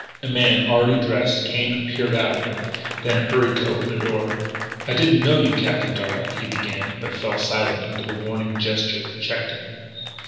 A man, already dressed, came and peered out at him, then hurried to open the door. "I didn't know you, Captain Darragh " he began, but fell silent under the warning gesture that checked him.